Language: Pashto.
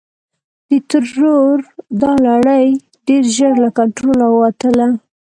د ترور دا لړۍ ډېر ژر له کنټروله ووتله.